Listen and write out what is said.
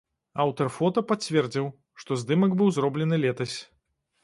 Аўтар фота пацвердзіў, што здымак быў зроблены летась.